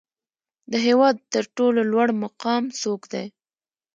د هیواد تر ټولو لوړ مقام څوک دی؟